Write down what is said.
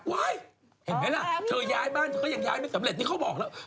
เห็นไหมล่ะเธอย้ายบ้านเธอก็ยังย้ายไม่สำเร็จนี่เขาบอกแล้ว